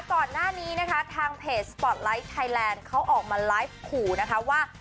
ก่อนหน้านี้นะคะทางเพจสปอร์ตไลท์ไทยแลนด์เขาออกมาไลฟ์ขู่นะคะว่า